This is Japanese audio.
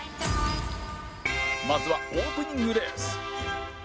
まずはオープニングレース